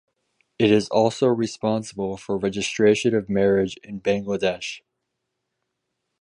It is also responsible for registration of marriage in Bangladesh.